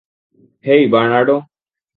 হেই, Bernardo!